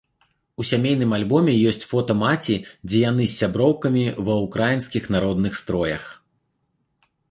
У сямейным альбоме ёсць фота маці, дзе яны з сяброўкамі ва ўкраінскіх народных строях.